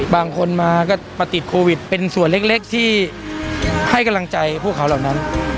บางคนมาก็มาติดโควิดเป็นส่วนเล็กที่ให้กำลังใจพวกเขาเหล่านั้น